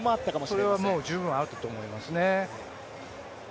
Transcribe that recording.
それはもう十分あったと思いますね。